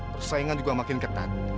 persaingan juga makin ketat